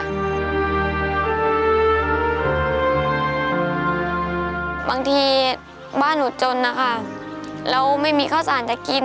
บางทีบ้านหนูจนนะคะแล้วไม่มีข้าวสารจะกิน